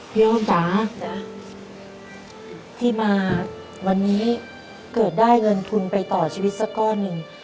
โอ๊ตจ๋าที่มาวันนี้เกิดได้เงินทุนไปต่อชีวิตสักก้อนหนึ่ง